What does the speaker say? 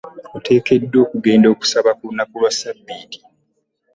Oteekeddwa okugenda okusaba ku lunaku lwa sabitti.